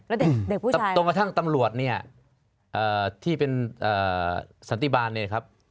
แล้วเด็กผู้ชายจนกระทั่งตำรวจเนี่ยที่เป็นสันติบาลเนี่ยครับ